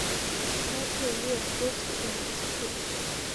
该配乐歌词是由写作。